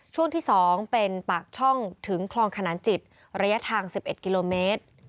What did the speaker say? ช่วงที่๒เป็นปากช่องถึงคลองขนานจิตระยะทาง๑๑กิโลเมตร